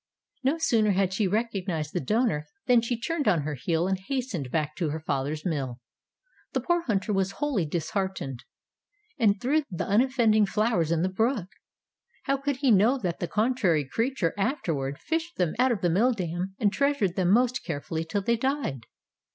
No sooner had she recognized the donor, than she turned on her heel, and hastened back to her father's mill. The poor hunter was wholly disheartened, and threw the unoffending flowers in the brook. How 124 Tales of Modern Germany could he know that the contrary creature afterward fished them out of the mill dam and treasured them most carefully till they died